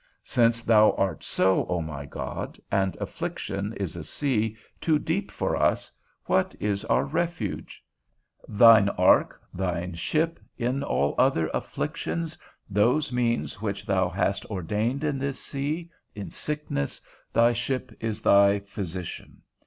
Since thou art so, O my God, and affliction is a sea too deep for us, what is our refuge? Thine ark, thy ship. In all other afflictions, those means which thou hast ordained in this sea, in sickness, thy ship is thy physician.